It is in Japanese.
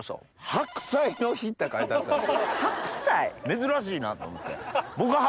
珍しいなと思って。